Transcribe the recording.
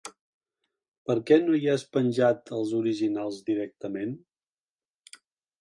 Per què no hi has penjat els originals directament?